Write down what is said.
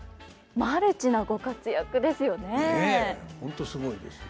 マルチなご活躍ですよね。